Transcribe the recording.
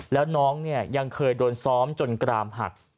แล้วน้องเนี่ยยังเคยโดนซ้อมจนกรามหัก